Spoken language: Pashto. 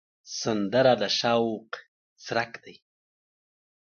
سندره د شوق څرک دی